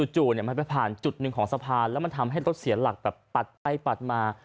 จู่มันไปผ่านจุดหนึ่งของสะพานแล้วมันทำให้รถเสียหลักแบบปัดไปปัดมา